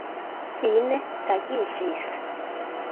Fine tagiĝis.